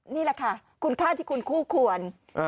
นี่แหละค่ะคุณค่าที่คุณคู่ควร